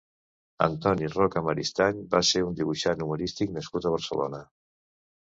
Antoni Roca Maristany va ser un dibuixant humorístic nascut a Barcelona.